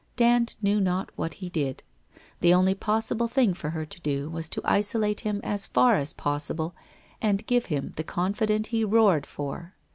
Dand knew not what he did. The only possible thing for her to do was to isolate him as far as possible and give him the confidant he roared for.